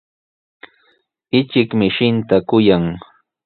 Ichik mishinta kuyan.